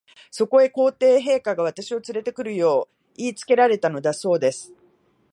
そこへ、皇帝陛下が、私をつれて来るよう言いつけられたのだそうです。